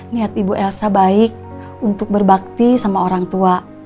niat ibu elsa baik untuk berbakti sama orang tua